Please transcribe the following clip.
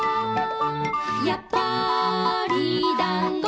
「やっぱりだんご」